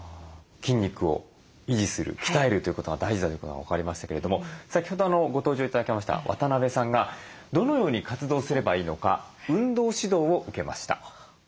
筋肉を維持する鍛えるということが大事だということが分かりましたけれども先ほどご登場頂きました渡邊さんがどのように活動すればいいのか運動指導を受けました。